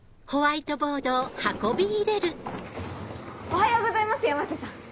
おはようございます山瀬さん。